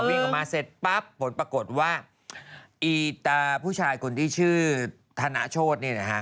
วิ่งออกมาเสร็จปั๊บผลปรากฏว่าอีตาผู้ชายคนที่ชื่อธนโชธเนี่ยนะฮะ